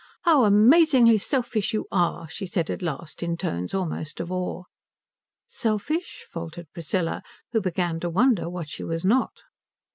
"How amazingly selfish you are," she said at last, in tones almost of awe. "Selfish?" faltered Priscilla, who began to wonder what she was not.